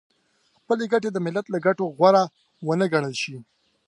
خپلې ګټې د ملت له ګټو غوره ونه ګڼل شي .